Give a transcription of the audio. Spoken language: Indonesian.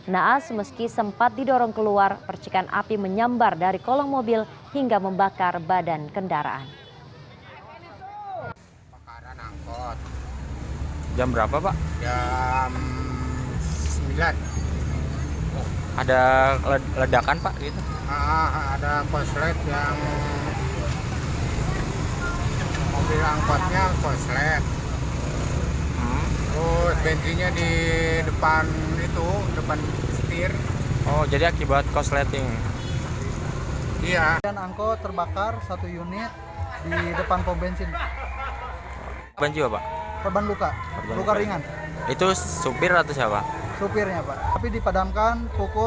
naas meski sempat didorong keluar percikan api menyambar dari kolong mobil hingga membakar badan kendaraan